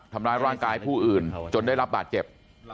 ทำร้ายร่างกายผู้อื่นจนได้รับบาดเจ็บ